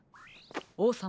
おうさま